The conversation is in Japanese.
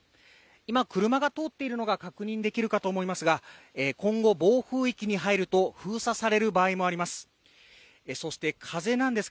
今車が通っているのが確認できるかと思いますが今後暴風域に入ると封鎖される場合もあります